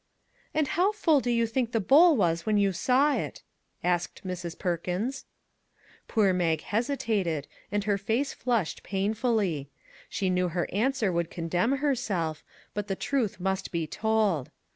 " And how full did you think the bowl was when you saw it?" asked Mrs. Perkins. Poor Mag hesitated, and her face flushed painfully ; she knew her answer would condemn 79 MAG AND MARGARET herself, but the truth must be told.